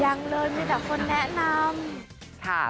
ยังเลยไม่ได้คนแนะนำ